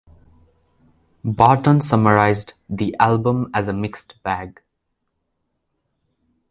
Barton summarised the album as "a mixed bag".